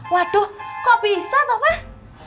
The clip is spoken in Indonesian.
waduh kok bisa toh pak